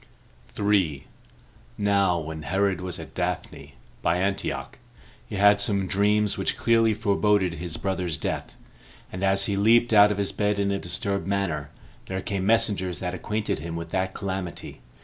3. Now when Herod was at Daphne, by Antioch, he had some dreams which clearly foreboded his brother's death; and as he leaped out of his bed in a disturbed manner, there came messengers that acquainted him with that calamity.